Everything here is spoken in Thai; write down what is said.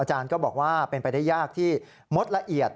ก็บอกว่าเป็นไปได้ยากที่มดละเอียด